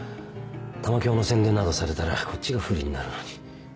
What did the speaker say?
玉響の宣伝などされたらこっちが不利になるのに。